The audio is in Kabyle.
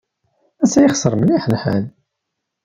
Ass-a yexṣer mliḥ lḥal.